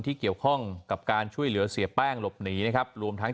ที่เกี่ยวข้องกับการช่วยเหลือเสียแป้งหลบหนีนะครับรวมทั้ง